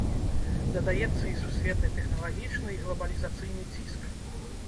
Дадаецца і сусветны тэхналагічны і глабалізацыйны ціск.